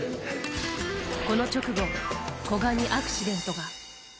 この直後、古賀にアクシデントが。